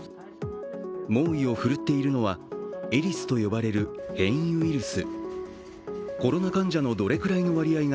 猛威を振るっているのは、エリスと呼ばれる変異ウイルス。